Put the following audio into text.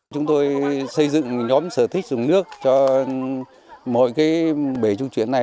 chúng tôi xây dựng nhóm sở thích dùng nước cho mọi bể trung chuyển này